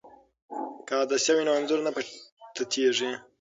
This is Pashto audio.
که عدسیه وي نو انځور نه تتېږي.